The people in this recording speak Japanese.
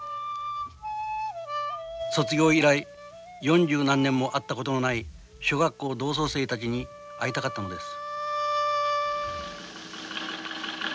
卒業以来四十何年も会ったことのない小学校同窓生たちに会いたかったのです